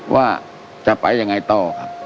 ว่าจะไปยังไงต่อครับ